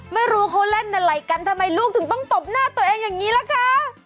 ไม่รู้เขาเล่นอะไรกันทำไมลูกถึงต้องตบหน้าตัวเองอย่างนี้ล่ะคะ